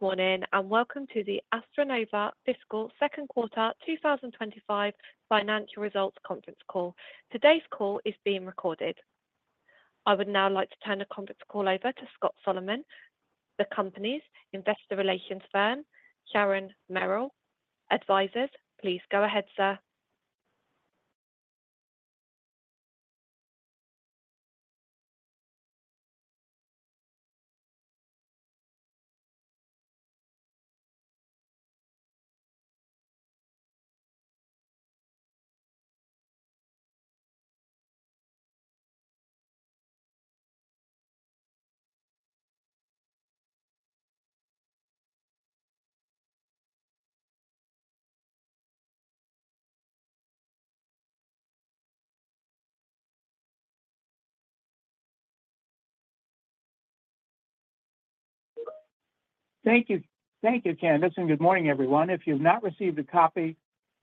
Good morning, and welcome to the AstroNova Fiscal Q2 2025 Financial Results Conference Call. Today's call is being recorded. I would now like to turn the conference call over to Scott Solomon, the company's Investor Relations firm, Sharon Merrill Advisors. Please go ahead, sir. Thank you. Thank you, Candice, and good morning, everyone. If you've not received a copy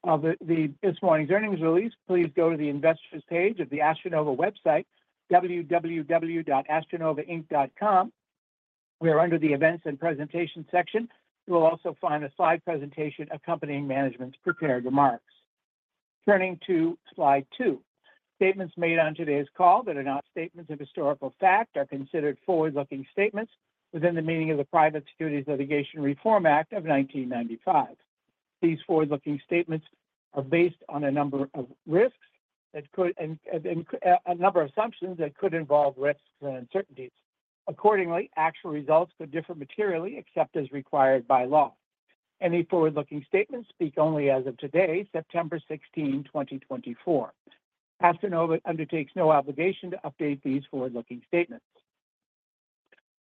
of this morning's earnings release, please go to the Investors page of the AstroNova website, www.astronovainc.com. We are under the Events and Presentation section. You will also find a slide presentation accompanying management's prepared remarks. Turning to slide two. Statements made on today's call that are not statements of historical fact are considered forward-looking statements within the meaning of the Private Securities Litigation Reform Act of 1995. These forward-looking statements are based on a number of risks that could and a number of assumptions that could involve risks and uncertainties. Accordingly, actual results could differ materially except as required by law. Any forward-looking statements speak only as of today, September 16, 2024. AstroNova undertakes no obligation to update these forward-looking statements.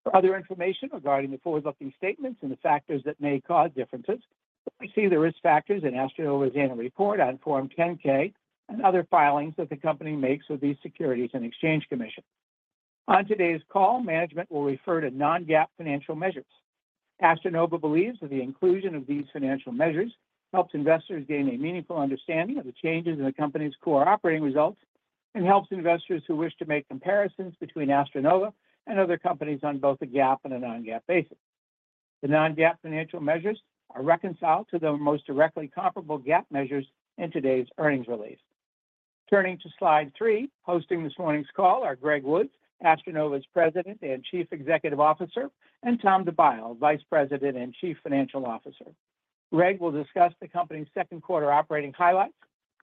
For other information regarding the forward-looking statements and the factors that may cause differences, please see the risk factors in AstroNova's annual report on Form 10-K, and other filings that the company makes with the Securities and Exchange Commission. On today's call, management will refer to non-GAAP financial measures. AstroNova believes that the inclusion of these financial measures helps investors gain a meaningful understanding of the changes in the company's core operating results, and helps investors who wish to make comparisons between AstroNova and other companies on both a GAAP and a non-GAAP basis. The non-GAAP financial measures are reconciled to the most directly comparable GAAP measures in today's earnings release. Turning to slide three, hosting this morning's call are Greg Woods, AstroNova's President and Chief Executive Officer, and Tom DeByle, Vice President and Chief Financial Officer. Greg will discuss the company's Q2 operating highlights,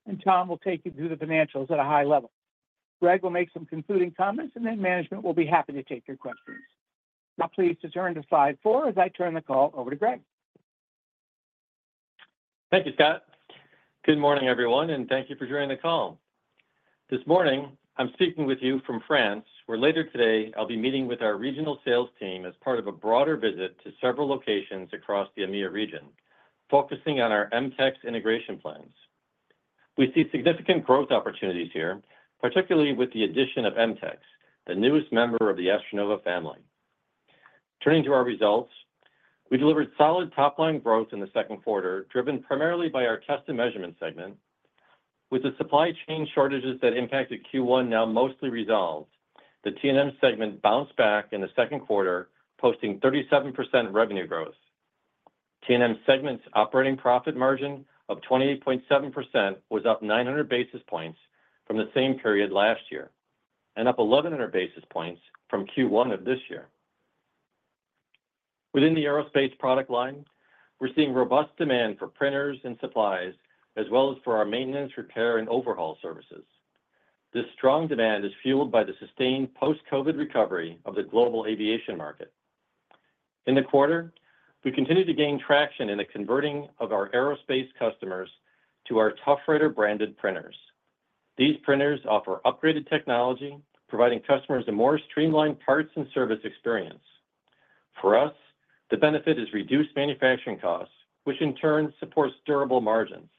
and Tom will take you through the financials at a high level. Greg will make some concluding comments, and then management will be happy to take your questions. Now, please turn to slide four as I turn the call over to Greg. Thank you, Scott. Good morning, everyone, and thank you for joining the call. This morning, I'm speaking with you from France, where later today, I'll be meeting with our regional sales team as part of a broader visit to several locations across the EMEA region, focusing on our MTEX integration plans. We see significant growth opportunities here, particularly with the addition of MTEX, the newest member of the AstroNova family. Turning to our results, we delivered solid top-line growth in the Q2, driven primarily by our Test and Measurement segment. With the supply chain shortages that impacted Q1 now mostly resolved, the T&M segment bounced back in the Q2, posting 37% revenue growth. T&M segment's operating profit margin of 28.7% was up 900 basis points from the same period last year, and up 1,100 basis points from Q1 of this year. Within the aerospace product line, we're seeing robust demand for printers and supplies, as well as for our maintenance, repair, and overhaul services. This strong demand is fueled by the sustained post-COVID recovery of the global aviation market. In the quarter, we continued to gain traction in the converting of our aerospace customers to our ToughWriter branded printers. These printers offer upgraded technology, providing customers a more streamlined parts and service experience. For us, the benefit is reduced manufacturing costs, which in turn supports durable margins.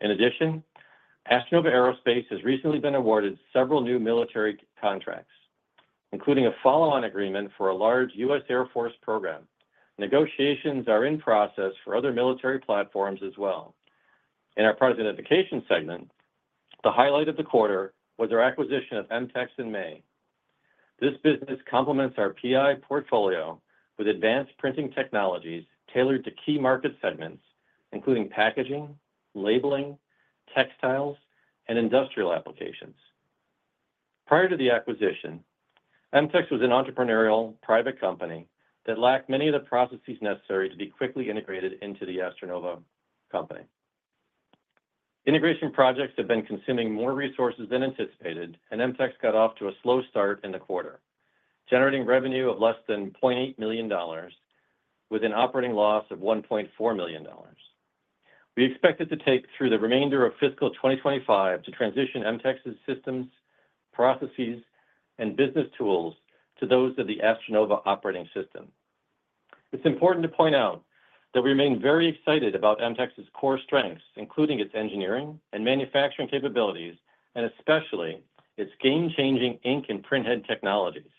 In addition, AstroNova Aerospace has recently been awarded several new military contracts, including a follow-on agreement for a large US Air Force program. Negotiations are in process for other military platforms as well. In our product identification segment, the highlight of the quarter was our acquisition of MTEX in May. This business complements our PI portfolio with advanced printing technologies tailored to key market segments, including packaging, labeling, textiles, and industrial applications. Prior to the acquisition, MTEX was an entrepreneurial private company that lacked many of the processes necessary to be quickly integrated into the AstroNova company. Integration projects have been consuming more resources than anticipated, and MTEX got off to a slow start in the quarter, generating revenue of less than $0.8 million with an operating loss of $1.4 million. We expect it to take through the remainder of fiscal 2025 to transition MTEX's systems, processes, and business tools to those of the AstroNova Operating System. It's important to point out that we remain very excited about MTEX's core strengths, including its engineering and manufacturing capabilities, and especially its game-changing ink and printhead technologies.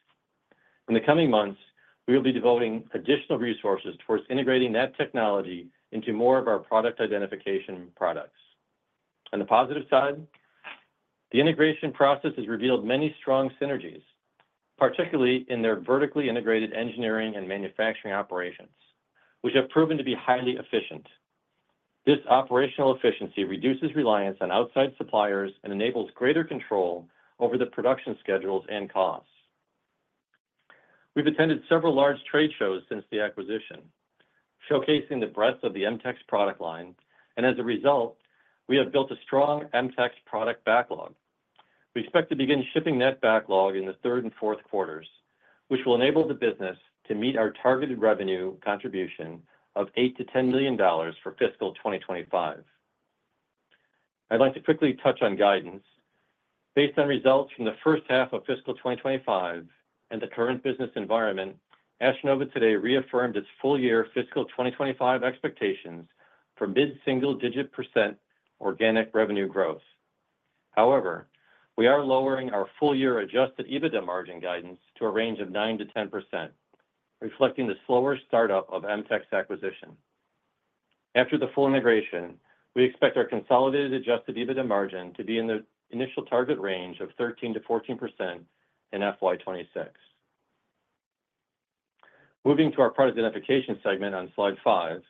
In the coming months, we will be devoting additional resources towards integrating that technology into more of our Product Identification products. On the positive side, the integration process has revealed many strong synergies, particularly in their vertically integrated engineering and manufacturing operations, which have proven to be highly efficient. This operational efficiency reduces reliance on outside suppliers and enables greater control over the production schedules and costs. We've attended several large trade shows since the acquisition, showcasing the breadth of the MTEX product line, and as a result, we have built a strong MTEX product backlog. We expect to begin shipping that backlog in Q3 and Q4, which will enable the business to meet our targeted revenue contribution of $8 to 10 million for fiscal 2025. I'd like to quickly touch on guidance. Based on results from the first half of fiscal 2025 and the current business environment, AstroNova today reaffirmed its full-year fiscal 2025 expectations for mid-single-digit percent organic revenue growth. However, we are lowering our full-year Adjusted EBITDA margin guidance to a range of 9% to 10%, reflecting the slower startup of MTEX acquisition. After the full integration, we expect our consolidated Adjusted EBITDA margin to be in the initial target range of 13% to 14% in FY 2026. Moving to our Product Identification segment on slide 5,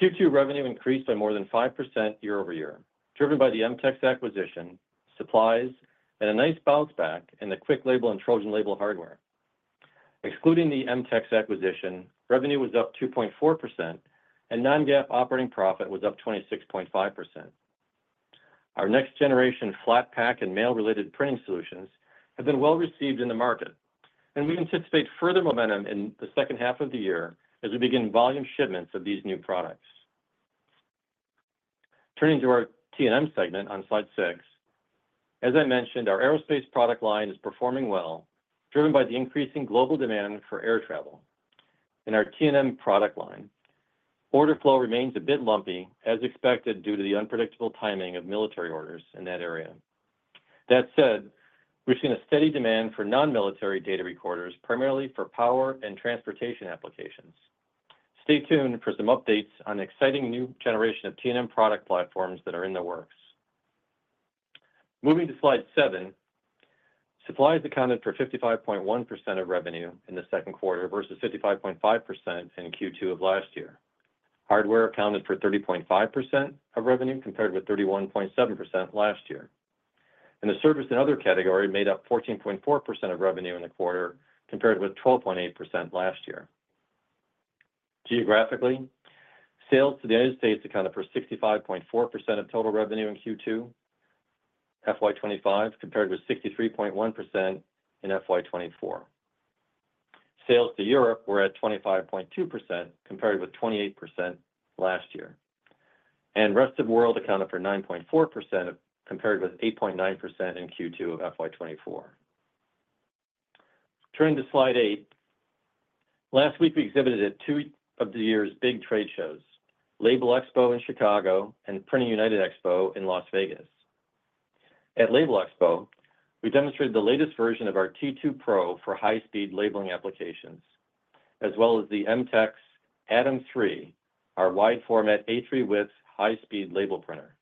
Q2 revenue increased by more than 5% year-over-year, driven by the MTEX acquisition, supplies, and a nice bounce back in the QuickLabel and TrojanLabel hardware. Excluding the MTEX acquisition, revenue was up 2.4%, and non-GAAP operating profit was up 26.5%. Our next generation flat pack and mail-related printing solutions have been well-received in the market, and we anticipate further momentum in the second half of the year as we begin volume shipments of these new products. Turning to our T&M segment on slide six, as I mentioned, our aerospace product line is performing well, driven by the increasing global demand for air travel. In our T&M product line, order flow remains a bit lumpy, as expected, due to the unpredictable timing of military orders in that area. That said, we've seen a steady demand for non-military data recorders, primarily for power and transportation applications. Stay tuned for some updates on exciting new generation of T&M product platforms that are in the works. Moving to slide seven, supplies accounted for 55.1% of revenue in the Q2 versus 55.5% in Q2 of last year. Hardware accounted for 30.5% of revenue, compared with 31.7% last year, and the service and other category made up 14.4% of revenue in the quarter, compared with 12.8% last year. Geographically, sales to the US accounted for 65.4% of total revenue in Q2, FY 2025, compared with 63.1% in FY 2024. Sales to Europe were at 25.2%, compared with 28% last year, and rest of world accounted for 9.4%, compared with 8.9% in Q2 of FY 2024. Turning to slide eight, last week, we exhibited at two of the year's big trade shows, Labelexpo in Chicago and PRINTING United Expo in Las Vegas. At Labelexpo, we demonstrated the latest version of our T2-Pro for high-speed labeling applications, as well as the MTEX ATOM 3, our wide format A3-width, high-speed label printer.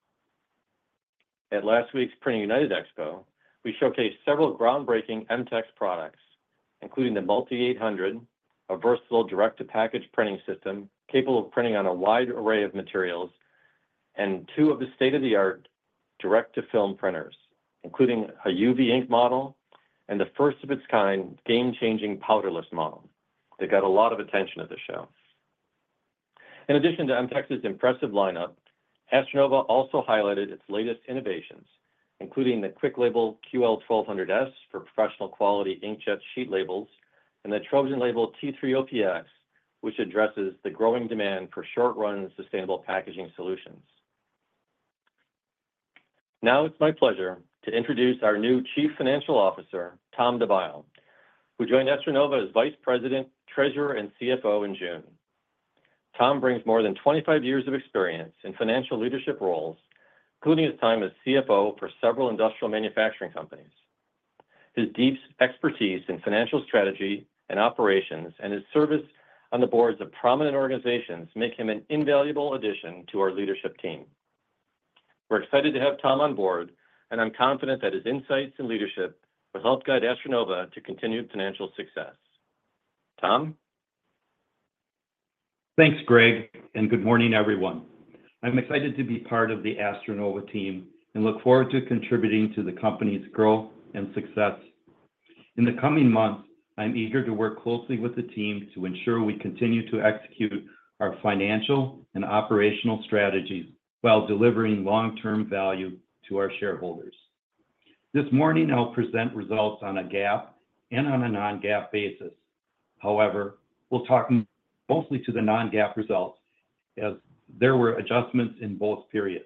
At last week's PRINTING United Expo, we showcased several groundbreaking MTEX products, including the MULTI 800, a versatile direct-to-package printing system capable of printing on a wide array of materials, and two of the state-of-the-art direct-to-film printers, including a UV ink model and the first of its kind, game-changing powderless model. They got a lot of attention at the show. In addition to MTEX's impressive lineup, AstroNova also highlighted its latest innovations, including the QuickLabel QL-1200S for professional quality inkjet sheet labels and the TrojanLabel T3-OPX, which addresses the growing demand for short-run sustainable packaging solutions. Now it's my pleasure to introduce our new Chief Financial Officer, Tom DeByle, who joined AstroNova as Vice President, Treasurer, and CFO in June. Tom brings more than 25 years of experience in financial leadership roles, including his time as CFO for several industrial manufacturing companies. His deep expertise in financial strategy and operations, and his service on the boards of prominent organizations, make him an invaluable addition to our leadership team. We're excited to have Tom on board, and I'm confident that his insights and leadership will help guide AstroNova to continued financial success. Tom? Thanks, Greg, and good morning, everyone. I'm excited to be part of the AstroNova team and look forward to contributing to the company's growth and success. In the coming months, I'm eager to work closely with the team to ensure we continue to execute our financial and operational strategies while delivering long-term value to our shareholders. This morning, I'll present results on a GAAP and on a non-GAAP basis. However, we'll talk mostly to the non-GAAP results, as there were adjustments in both periods.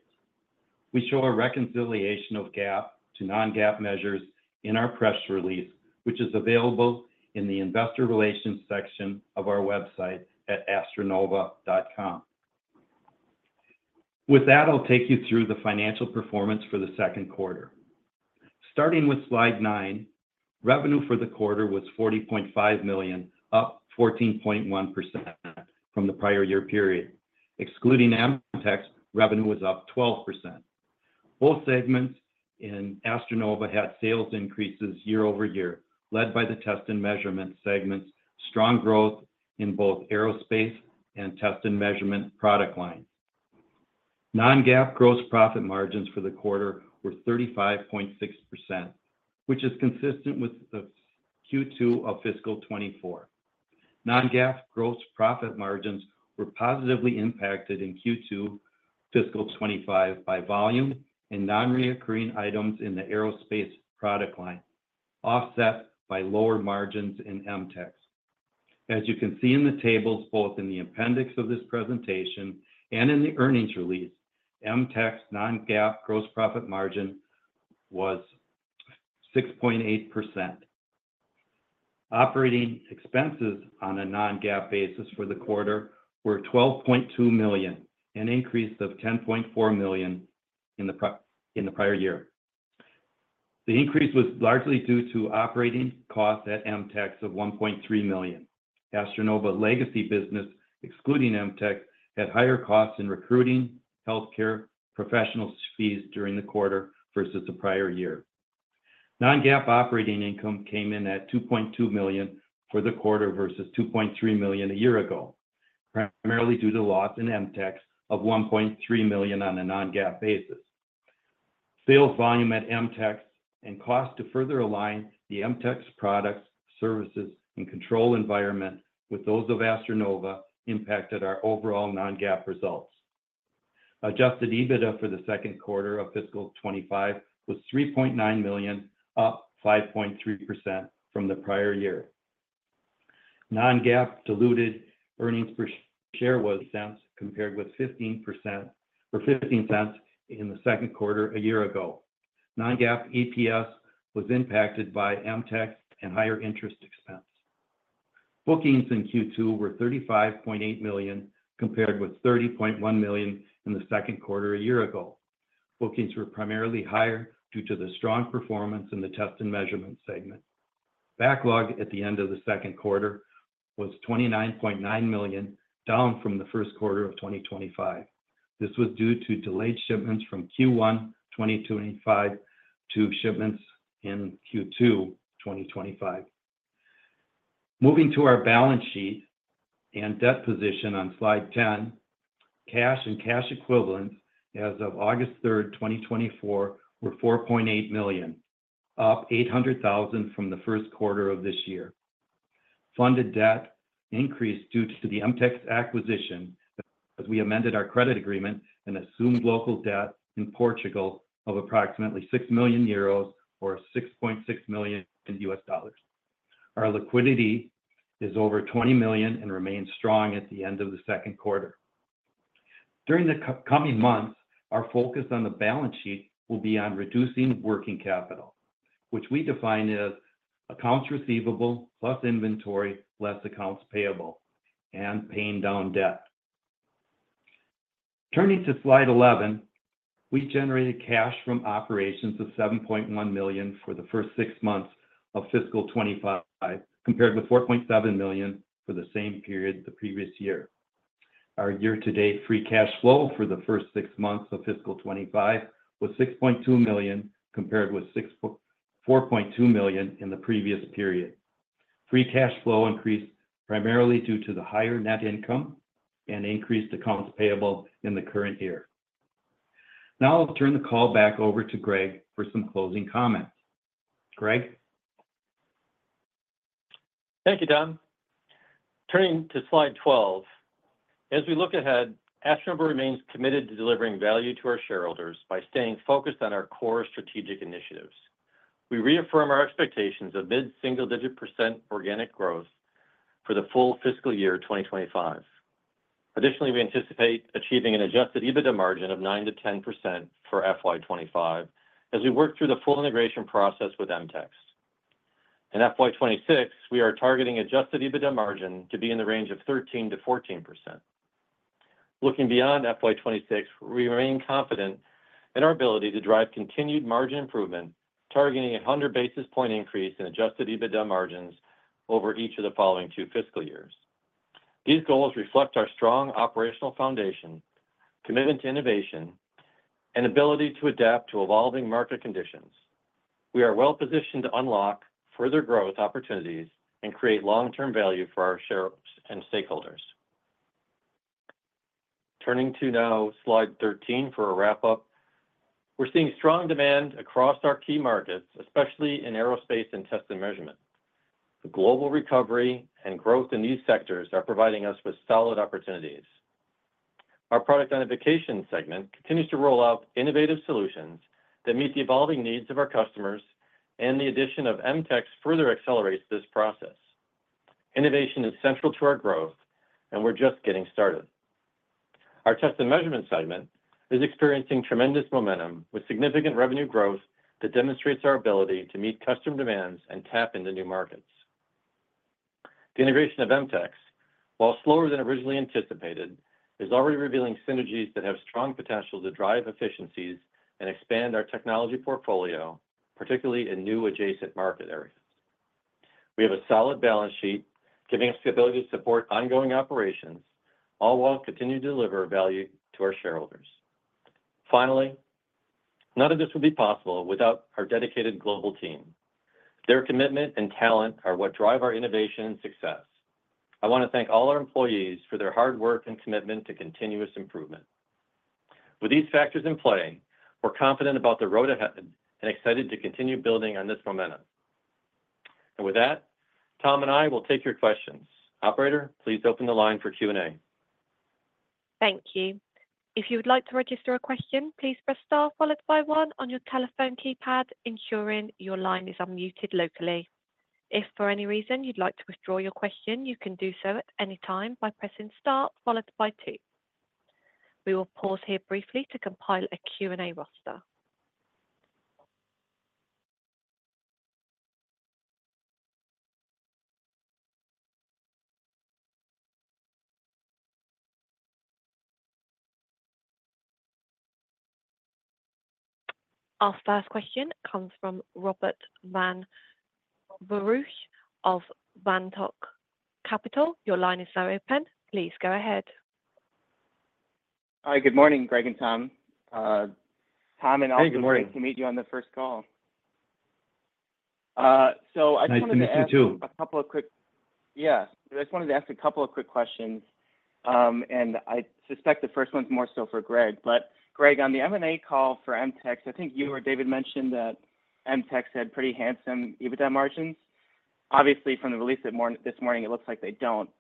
We show a reconciliation of GAAP to non-GAAP measures in our press release, which is available in the Investor Relations section of our website at astronova.com. With that, I'll take you through the financial performance for the Q2. Starting with slide nine, revenue for the quarter was $40.5 million, up 14.1% from the prior year period. Excluding MTEX, revenue was up 12%. Both segments in AstroNova had sales increases year-over-year, led by the test and measurement segments, strong growth in both aerospace and test and measurement product lines. Non-GAAP gross profit margins for the quarter were 35.6%, which is consistent with the Q2 of fiscal 2024. Non-GAAP gross profit margins were positively impacted in Q2 fiscal 2025 by volume and non-recurring items in the aerospace product line, offset by lower margins in MTEX. As you can see in the tables, both in the appendix of this presentation and in the earnings release, MTEX non-GAAP gross profit margin was 6.8%. Operating expenses on a non-GAAP basis for the quarter were $12.2 million, an increase of $10.4 million in the prior year. The increase was largely due to operating costs at MTEX of $1.3 million. AstroNova legacy business, excluding MTEX, had higher costs in recruiting, healthcare, professional fees during the quarter versus the prior year. Non-GAAP operating income came in at $2.2 million for the quarter versus $2.3 million a year ago, primarily due to loss in MTEX of $1.3 million on a non-GAAP basis. Sales volume at MTEX and cost to further align the MTEX products, services, and control environment with those of AstroNova impacted our overall non-GAAP results. Adjusted EBITDA for the Q2 of fiscal 2025 was $3.9 million, up 5.3% from the prior year. Non-GAAP diluted EPS was $0.12, compared with $0.15 in the Q2 a year ago. Non-GAAP EPS was impacted by MTEX and higher interest expense. Bookings in Q2 were $35.8 million, compared with $30.1 million in the Q2 a year ago. Bookings were primarily higher due to the strong performance in the test and measurement segment. Backlog at the end of the Q2 was $29.9 million, down from the Q1 of 2025. This was due to delayed shipments from Q1, 2025 to shipments in Q2, 2025. Moving to our balance sheet and debt position on slide ten, cash and cash equivalents as of August 3, 2024, were $4.8 million, up $800,000 from the Q1 of this year. Funded debt increased due to the MTEX acquisition, as we amended our credit agreement and assumed local debt in Portugal of approximately 6 million euros or $6.6 million. Our liquidity is over $20 million and remains strong at the end of the Q2. During the coming months, our focus on the balance sheet will be on reducing working capital, which we define as accounts receivable, plus inventory, less accounts payable, and paying down debt. Turning to slide 11, we generated cash from operations of $7.1 million for the first six months of fiscal 2025, compared with $4.7 million for the same period the previous year. Our year-to-date free cash flow for the first six months of fiscal 2025 was $6.2 million, compared with $4.2 million in the previous period. Free cash flow increased primarily due to the higher net income and increased accounts payable in the current year. Now I'll turn the call back over to Greg for some closing comments. Greg? Thank you, Tom. Turning to slide 12, as we look ahead, AstroNova remains committed to delivering value to our shareholders by staying focused on our core strategic initiatives. We reaffirm our expectations of mid-single-digit percent organic growth for the full fiscal year of 2025. Additionally, we anticipate achieving an Adjusted EBITDA margin of 9% to 10% for FY 2025 as we work through the full integration process with MTEX. In FY 2026, we are targeting Adjusted EBITDA margin to be in the range of 13% to 14%. Looking beyond FY 2026, we remain confident in our ability to drive continued margin improvement, targeting a 100 basis point increase in Adjusted EBITDA margins over each of the following two fiscal years. These goals reflect our strong operational foundation, commitment to innovation, and ability to adapt to evolving market conditions. We are well positioned to unlock further growth opportunities and create long-term value for our shareholders and stakeholders. Turning to now slide 13 for a wrap-up. We're seeing strong demand across our key markets, especially in aerospace and test and measurement. The global recovery and growth in these sectors are providing us with solid opportunities. Our product identification segment continues to roll out innovative solutions that meet the evolving needs of our customers, and the addition of MTEX further accelerates this process. Innovation is central to our growth, and we're just getting started. Our test and measurement segment is experiencing tremendous momentum, with significant revenue growth that demonstrates our ability to meet customer demands and tap into new markets. The integration of MTEX, while slower than originally anticipated, is already revealing synergies that have strong potential to drive efficiencies and expand our technology portfolio, particularly in new adjacent market areas. We have a solid balance sheet, giving us the ability to support ongoing operations, all while continuing to deliver value to our shareholders. Finally, none of this would be possible without our dedicated global team. Their commitment and talent are what drive our innovation and success. I want to thank all our employees for their hard work and commitment to continuous improvement. With these factors in play, we're confident about the road ahead and excited to continue building on this momentum. And with that, Tom and I will take your questions. Operator, please open the line for Q&A. Thank you. If you would like to register a question, please press star followed by one on your telephone keypad, ensuring your line is unmuted locally. If for any reason you'd like to withdraw your question, you can do so at any time by pressing star followed by two. We will pause here briefly to compile a Q&A roster. Our first question comes from Robert Van Voorhis of Vanatoc Capital. Your line is now open. Please go ahead. Hi, good morning, Greg and Tom. Tom, and- Hey, good morning. Great to meet you on the first call. So I just. Nice to meet you, too. I just wanted to ask a couple of quick questions, and I suspect the first one is more so for Greg. But Greg, on the M&A call for MTEX, I think you or David mentioned that MTEX had pretty handsome EBITDA margins. Obviously, from the release this morning, it looks like they don't,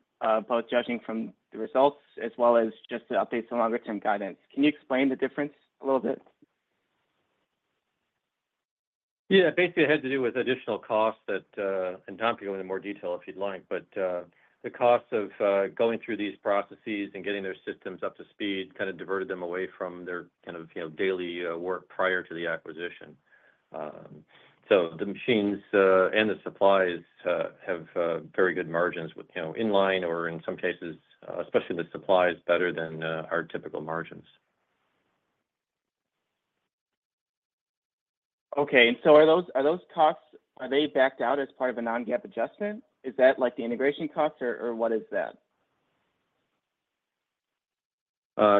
both judging from the results as well as just the updates on longer-term guidance. Can you explain the difference a little bit? Yeah. Basically, it had to do with additional costs that, and Tom, you can go into more detail if you'd like, but the cost of going through these processes and getting their systems up to speed kind of diverted them away from their kind of, you know, daily work prior to the acquisition. So the machines and the supplies have very good margins with, you know, in line or in some cases, especially the supplies, better than our typical margins. Okay. And so are those costs, are they backed out as part of a non-GAAP adjustment? Is that like the integration costs or, or what is that?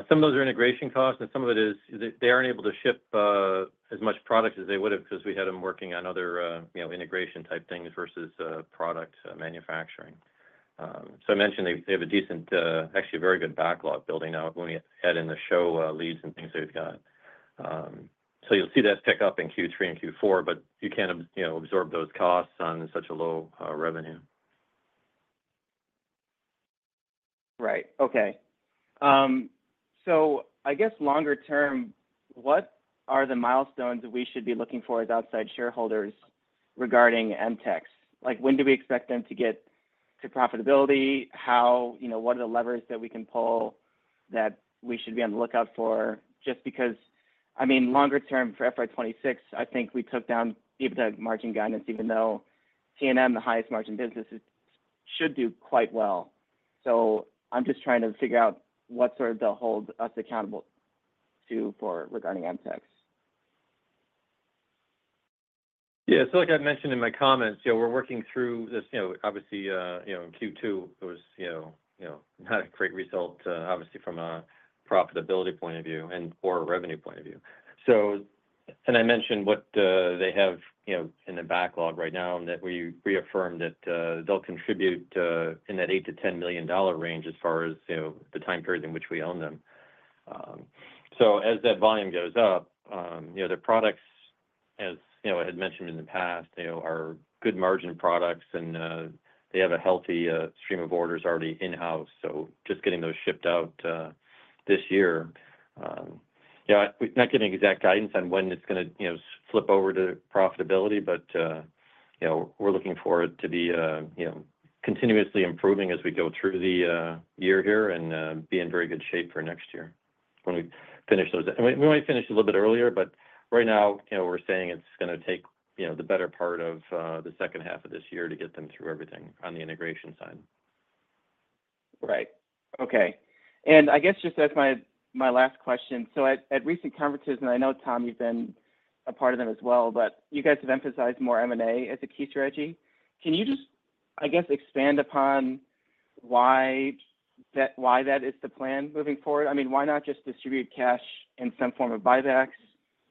Some of those are integration costs, and some of it is they aren't able to ship as much product as they would have because we had them working on other, you know, integration type things versus product manufacturing. So I mentioned they have a decent actually a very good backlog building now when we add in the show leads and things they've got. So you'll see that pick up in Q3 and Q4, but you can't you know, absorb those costs on such a low revenue. Right. Okay. So I guess longer term, what are the milestones that we should be looking for as outside shareholders regarding MTEX? Like, when do we expect them to get to profitability? How, you know, what are the levers that we can pull that we should be on the lookout for? Just because, I mean, longer term for FY 2026, I think we took down EBITDA margin guidance, even though C&M, the highest margin businesses, should do quite well. So I'm just trying to figure out what sort of to hold us accountable to for regarding MTEX. Yeah. So like I mentioned in my comments, you know, we're working through this, you know, obviously, you know, in Q2, it was, you know, you know, not a great result, obviously, from a profitability point of view and or a revenue point of view. So, and I mentioned what, they have, you know, in the backlog right now, and that we reaffirmed that, they'll contribute, in that $8 to 10 million range as far as, you know, the time period in which we own them. So as that volume goes up, you know, their products, as, you know, I had mentioned in the past, you know, are good margin products, and, they have a healthy, stream of orders already in-house, so just getting those shipped out, this year. Yeah, we're not giving exact guidance on when it's gonna, you know, flip over to profitability, but, you know, we're looking forward to be, you know, continuously improving as we go through the year here and be in very good shape for next year when we finish those. We might finish a little bit earlier, but right now, you know, we're saying it's gonna take, you know, the better part of the second half of this year to get them through everything on the integration side. Right. Okay. And I guess just as my, my last question, so at, at recent conferences, and I know, Tom, you've been a part of them as well, but you guys have emphasized more M&A as a key strategy. Can you just, I guess, expand upon why that, why that is the plan moving forward? I mean, why not just distribute cash in some form of buybacks,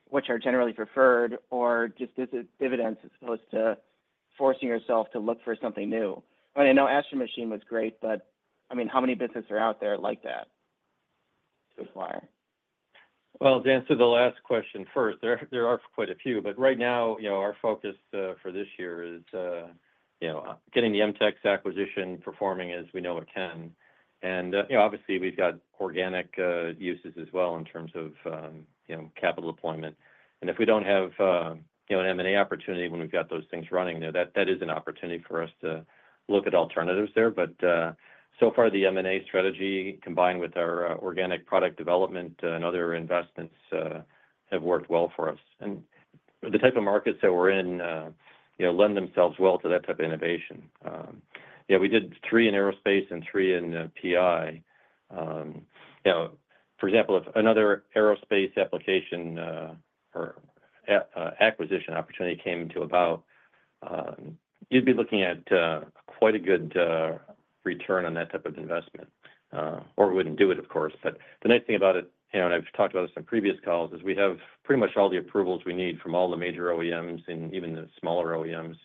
which are generally preferred, or just as a dividends, as opposed to forcing yourself to look for something new? I know Astro Machine was great, but, I mean, how many businesses are out there like that to acquire? To answer the last question first, there are quite a few, but right now, you know, our focus for this year is, you know, getting the MTEX acquisition performing as we know it can. And, you know, obviously, we've got organic uses as well in terms of, you know, capital deployment. And if we don't have, you know, an M&A opportunity when we've got those things running, you know, that is an opportunity for us to look at alternatives there. But, so far, the M&A strategy, combined with our, organic product development and other investments, have worked well for us. And the type of markets that we're in, you know, lend themselves well to that type of innovation. Yeah, we did three in aerospace and three in PI. You know, for example, if another aerospace application or acquisition opportunity came about, you'd be looking at quite a good return on that type of investment, or we wouldn't do it, of course. But the nice thing about it, you know, and I've talked about this on previous calls, is we have pretty much all the approvals we need from all the major OEMs and even the smaller OEMs,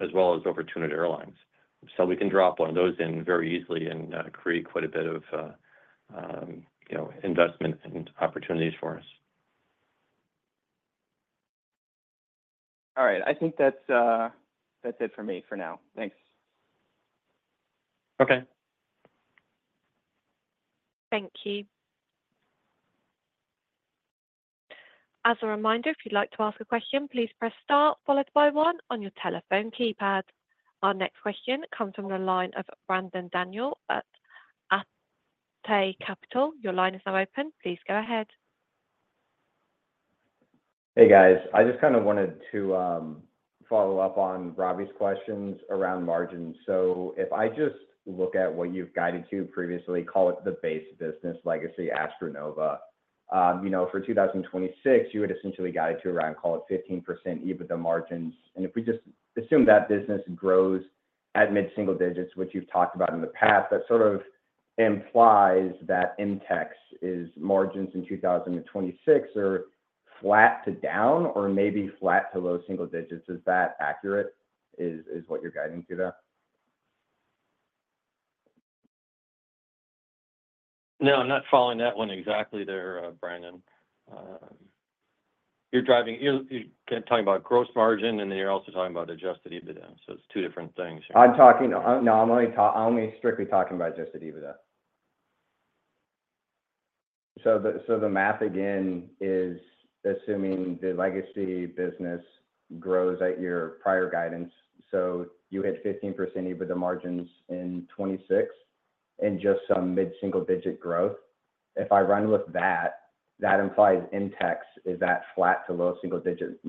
as well as over 200 airlines. So we can drop one of those in very easily and create quite a bit of, you know, investment and opportunities for us. All right. I think that's it for me for now. Thanks. Okay. Thank you. As a reminder, if you'd like to ask a question, please press star followed by one on your telephone keypad. Our next question comes from the line of Brandon Daniel at Atai Capital. Your line is now open. Please go ahead. Hey, guys. I just kind of wanted to follow up on Robbie's questions around margins. So if I just look at what you've guided to previously, call it the base business, legacy AstroNova. You know, for 2026, you had essentially guided to around, call it 15% EBITDA margins. And if we just assume that business grows at mid-single digits, which you've talked about in the past, that sort of implies that MTEX's margins in 2026 are flat to down or maybe flat to low single digits. Is that accurate, is what you're guiding to that? No, I'm not following that one exactly there, Brandon. You're talking about gross margin, and then you're also talking about Adjusted EBITDA, so it's two different things. I'm only strictly talking about Adjusted EBITDA. So the math, again, is assuming the legacy business grows at your prior guidance, so you hit 15% EBITDA margins in 2026 and just some mid-single-digit growth. If I run with that, that implies MTEX is that flat to low single-digit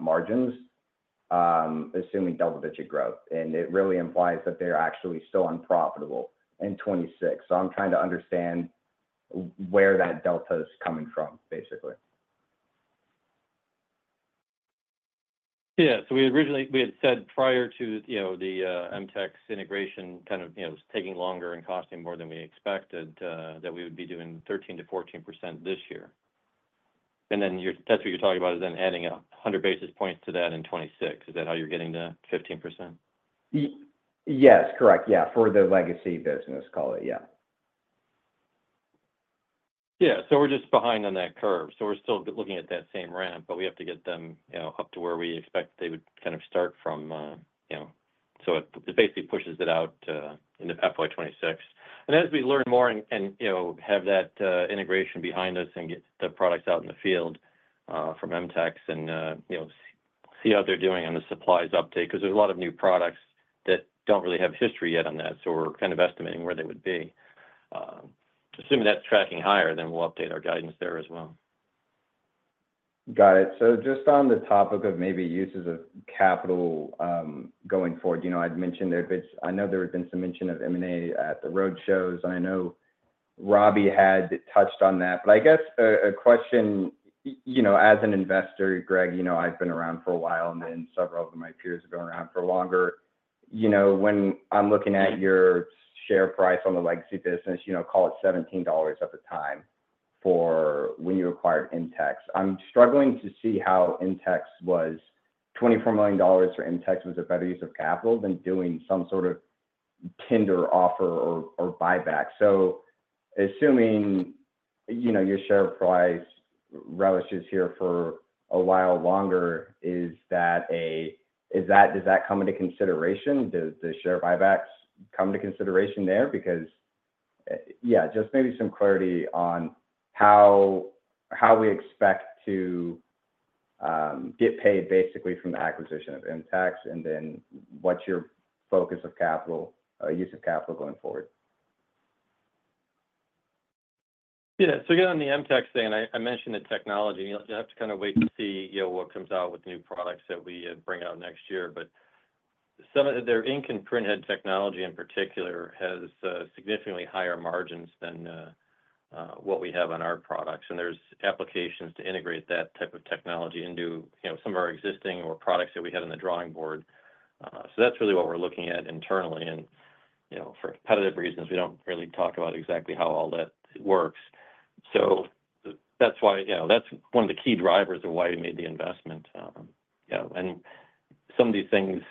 margins, assuming double-digit growth, and it really implies that they're actually still unprofitable in 2026. So I'm trying to understand where that delta is coming from, basically. Yeah. So we originally had said prior to, you know, the MTEX integration kind of, you know, was taking longer and costing more than we expected that we would be doing 13% to 14% this year. And then you're that's what you're talking about, is then adding a hundred basis points to that in 2026. Is that how you're getting to 15%? Yes, correct. Yeah. For the legacy business, call it, yeah. Yeah. So we're just behind on that curve. So we're still looking at that same ramp, but we have to get them, you know, up to where we expect they would kind of start from, you know. So it basically pushes it out into FY 2026. And as we learn more and, you know, have that integration behind us and get the products out in the field from MTEX and, you know, see how they're doing on the supplies uptake, because there's a lot of new products that don't really have history yet on that, so we're kind of estimating where they would be. Assuming that's tracking higher, then we'll update our guidance there as well. Got it. So just on the topic of maybe uses of capital, going forward, you know, I'd mentioned there's been. I know there had been some mention of M&A at the roadshows, and I know Robbie had touched on that. But I guess a question, you know, as an investor, Greg, you know, I've been around for a while, and then several of my peers have been around for longer. You know, when I'm looking at your share price on the legacy business, you know, call it $17 at the time for when you acquired MTEX. I'm struggling to see how MTEX was $24 million for MTEX was a better use of capital than doing some sort of tender offer or buyback. So assuming, you know, your share price languishes here for a while longer, is that. does that come into consideration? Does the share buybacks come to consideration there? Because. Yeah, just maybe some clarity on how we expect to get paid basically from the acquisition of MTEX, and then what's your focus of capital, use of capital going forward? Yeah. So again, on the MTEX thing, I mentioned the technology. You'll have to kind of wait to see, you know, what comes out with new products that we bring out next year. But some of their ink and printhead technology, in particular, has significantly higher margins than what we have on our products, and there's applications to integrate that type of technology into, you know, some of our existing products that we have in the drawing board. So that's really what we're looking at internally. And, you know, for competitive reasons, we don't really talk about exactly how all that works. So that's why, you know, that's one of the key drivers of why we made the investment. Yeah, and some of these things,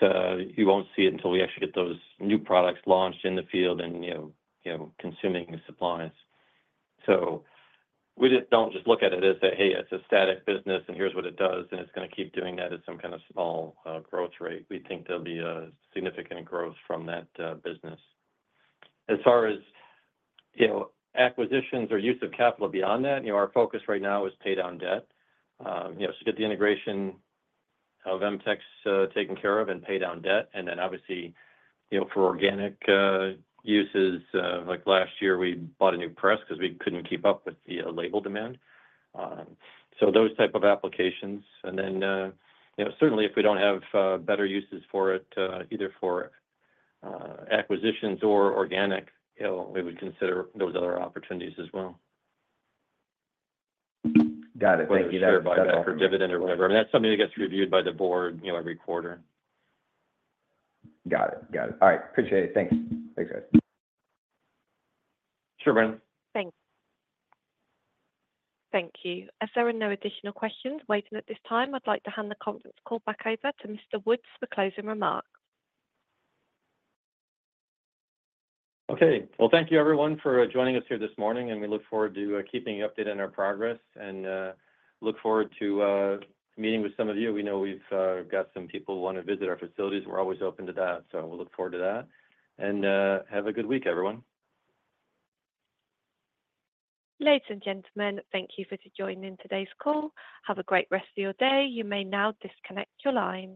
you won't see it until we actually get those new products launched in the field and, you know, consuming the supplies. So we just don't look at it as, hey, it's a static business, and here's what it does, and it's gonna keep doing that at some kind of small growth rate. We think there'll be a significant growth from that business. As far as, you know, acquisitions or use of capital beyond that, you know, our focus right now is pay down debt. You know, so get the integration of MTEX taken care of and pay down debt, and then obviously, you know, for organic uses. Like last year, we bought a new press because we couldn't keep up with the label demand. So those type of applications, and then, you know, certainly, if we don't have better uses for it, either for acquisitions or organic, you know, we would consider those other opportunities as well. Got it. Whether you share buyback or dividend or whatever. I mean, that's something that gets reviewed by the board, you know, every quarter. Got it. Got it. All right. Appreciate it. Thanks. Thanks, guys. Sure, Brandon. Thanks. Thank you. As there are no additional questions waiting at this time, I'd like to hand the conference call back over to Mr. Woods for closing remarks. Okay. Well, thank you, everyone, for joining us here this morning, and we look forward to keeping you updated on our progress and look forward to meeting with some of you. We know we've got some people who want to visit our facilities. We're always open to that, so we look forward to that. And have a good week, everyone. Ladies and gentlemen, thank you for joining in today's call. Have a great rest of your day. You may now disconnect your lines.